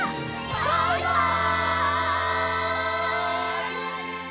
バイバイ！